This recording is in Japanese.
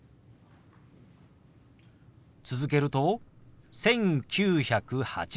続けると「１９８０」。